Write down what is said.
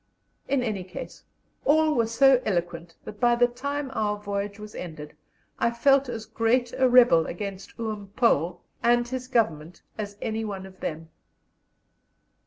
In any case, all were so eloquent that by the time our voyage was ended I felt as great a rebel against "Oom Paul" and his Government as any one of them.